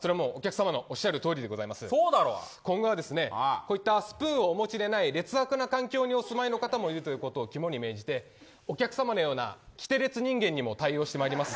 お客さまのおっしゃるとおりでございます、今後はこういったスプーンはお持ちでない劣悪な環境もいるということを肝に命じてお客さまもような、きてれつ人間にも対応してまいります。